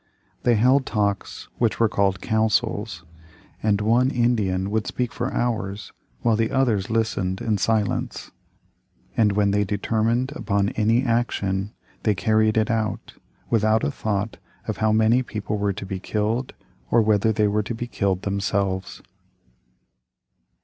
They held talks which were called "councils," and one Indian would speak for hours, while the others listened in silence. And when they determined upon any action, they carried it out, without a thought of how many people were to be killed, or whether they were to be killed themselves.